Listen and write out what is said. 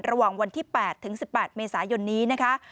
ระหว่างวันที่๘ถึง๑๘เมษายนนี้นะคะ